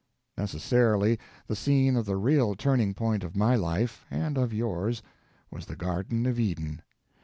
Necessarily the scene of the real turning point of my life (and of yours) was the Garden of Eden.